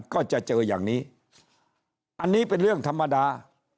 ก็จะเจออย่างนี้อันนี้เป็นเรื่องธรรมดา